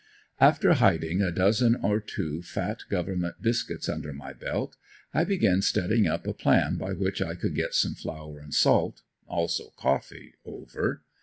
After hiding a dozen or two fat Government biscuits under my belt, I began studying up a plan by which I could get some flour and salt, also coffee, over.